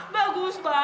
ya gua semua